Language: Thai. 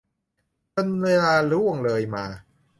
จนเวลาล่วงเลยมา